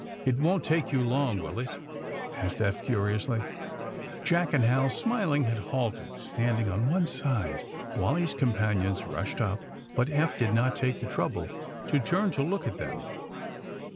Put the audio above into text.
*^It won't take you long, will itl'^ asked Ephi' curiously. Jack and Hal, smiling, liad halted, standing at one side. Wally ^s companions rushed up, but Eph did not take the trouble to turn to look at them.